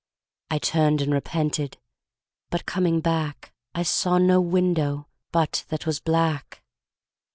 I turned and repented, but coming back I saw no window but that was black.